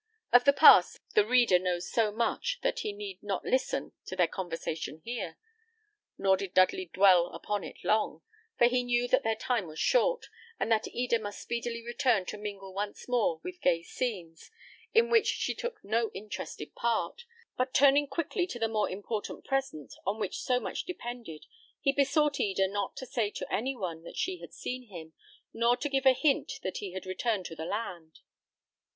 Of the past the reader knows so much that he need not listen to their conversation here. Nor did Dudley dwell upon it long, for he knew that their time was short, and that Eda must speedily return to mingle once more with gay scenes, in which she took no interested part; but turning quickly to the more important present, on which so much depended, he besought Eda not to say to any one that she had seen him, nor to give a hint that he had returned to the land.